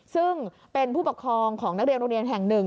ซึ่งเป็นผู้ปกครองของนักเรียนโรงเรียนแห่งหนึ่ง